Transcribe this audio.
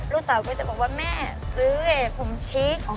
ลูกสาวก็จะบอกว่าแม่ซื้อแหล่ะผมชิค